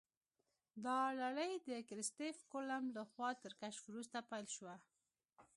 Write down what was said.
دا لړۍ د کریسټف کولمب لخوا تر کشف وروسته پیل شوه.